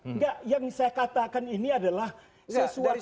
enggak yang saya katakan ini adalah sesuatu yang